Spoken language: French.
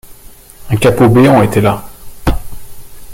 Un capot béant était là